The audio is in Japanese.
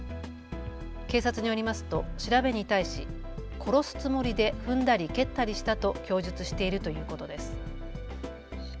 警察によりますと調べに対し殺すつもりで踏んだり蹴ったりしたと供述しているということです。